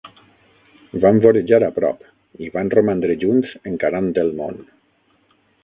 Van vorejar a prop, i van romandre junts encarant el món.